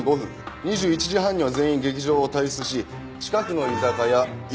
２１時半には全員劇場を退出し近くの居酒屋樹